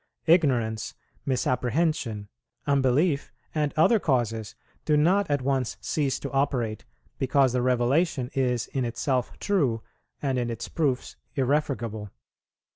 Ignorance, misapprehension, unbelief, and other causes, do not at once cease to operate because the revelation is in itself true and in its proofs irrefragable.